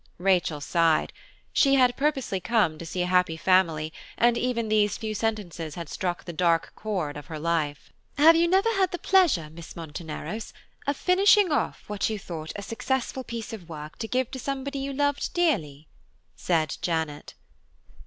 Rachel sighed. She had come purposely to see a happy family, and even these few sentences had struck the dark chord of her life. "Have you never had the pleasure, Miss Monteneros, of finishing off what you thought a successful piece of work to give to somebody you loved dearly?" said Janet.